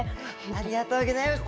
ありがとうぎょざいます。